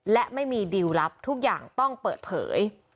และไม่มีดิวลลับทุกอย่างต้องเปิดเผย